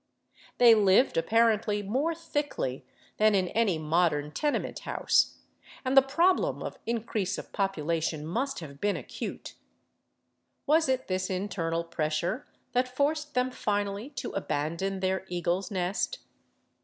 They lived apparently more thickly than in any modern tenement house, and the problem of increase of population must have been acute. Was it this internal pressure that forced them finally to abandon their eagle's nest?